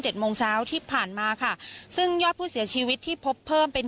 โมงเช้าที่ผ่านมาค่ะซึ่งยอดผู้เสียชีวิตที่พบเพิ่มเป็น